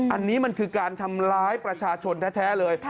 อันนี้มันคือการทำร้ายประชาชนแท้เลย